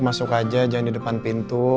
masuk aja jangan di depan pintu